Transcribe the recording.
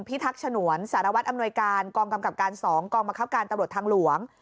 ทักษ์ฉนวนสารวัตรอำนวยการกองกำกับการ๒กองบังคับการตำรวจทางหลวง